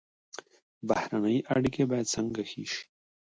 بهرنۍ اړیکې باید څنګه ښې شي؟